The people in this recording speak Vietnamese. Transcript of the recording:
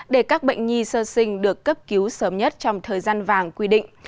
để các bệnh nhi sơ sinh được cấp cứu sớm nhất trong thời gian vàng quy định